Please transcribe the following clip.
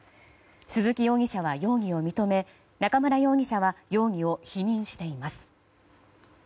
鈴木容疑者は容疑を認め中村容疑者は容疑を否認しています。